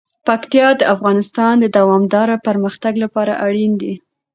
پکتیکا د افغانستان د دوامداره پرمختګ لپاره اړین دي.